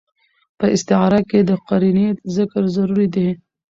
په استعاره کښي د قرينې ذکر ضروري دئ.